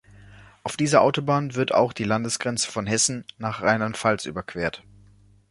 Auf dieser Autobahn wird auch die Landesgrenze von Hessen nach Rheinland-Pfalz überquert.